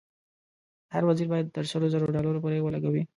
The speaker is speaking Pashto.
هر وزیر باید تر سلو زرو ډالرو پورې ولګوي.